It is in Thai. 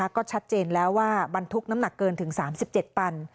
ก็ชัดเจนแล้วว่าบรรทุกน้ำหนักเกินถึง๓๗ตัน